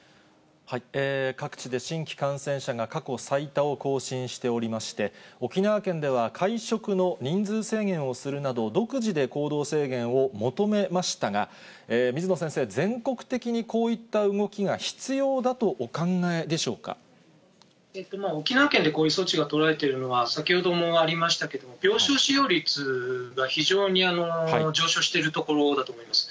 各地で新規感染者が過去最多を更新しておりまして、沖縄県では会食の人数制限をするなど独自で行動制限を求めましたが、水野先生、全国的にこういった動きが必要だとお考えでしょう沖縄県でこういう措置が取られているのは、先ほどもありましたけど、病床使用率が非常に上昇しているところだと思います。